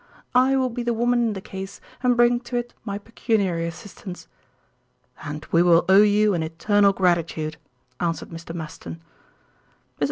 I will be the woman in the case and bring to it my pecuniary assistance." "And we will owe you an eternal gratitude," answered Mr. Maston. Mrs.